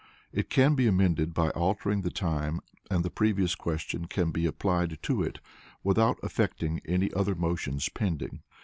It can be amended by altering the time, and the Previous Question can be applied to it without affecting any other motions pending.